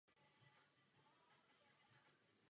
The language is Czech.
Je to žánr spojující New Wave a elektronickou taneční hudbu.